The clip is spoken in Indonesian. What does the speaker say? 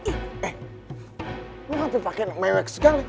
eh lu ngapain pake mewek segala